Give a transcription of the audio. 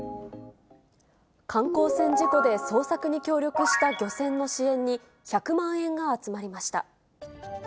観光船事故で捜索に協力した漁船の支援に、１００万円が集まりました。